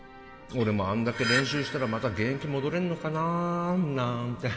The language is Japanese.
俺もあんだけ練習したらまた現役戻れんのかななんて